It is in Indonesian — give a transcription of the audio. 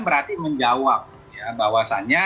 berarti menjawab bahwasanya